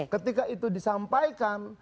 ketika itu disampaikan